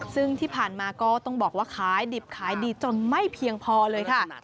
ซึ่งที่ผ่านมาก็ต้องบอกว่าขายดิบขายดีจนไม่เพียงพอเลยค่ะ